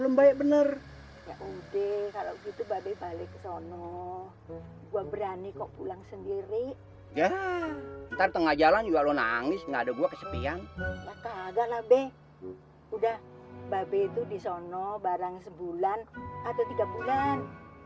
udah mbak be itu disono barang sebulan atau tiga bulan